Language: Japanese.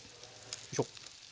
よいしょ。